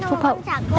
con xin bố mẹ con tiền